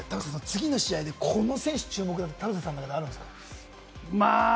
次の試合、この選手に注目って田臥さん、ありますか？